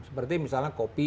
seperti misalnya kopi